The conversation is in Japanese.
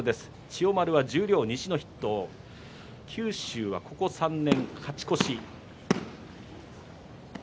千代丸は十両、西の筆頭九州はここ３年勝ち越し。